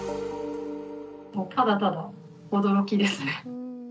もうただただ驚きですね。